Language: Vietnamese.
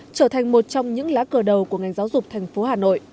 trở thành một trong những lá cờ đầu của ngành giáo dục thành phố hà nội